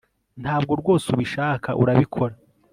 Ntabwo rwose ubishaka urabikora